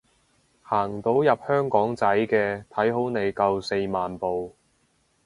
行到入香港仔嘅，睇好你夠四萬步